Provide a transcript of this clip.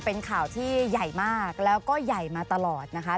เป็นข่าวที่ใหญ่มากแล้วก็ใหญ่มาตลอดนะคะ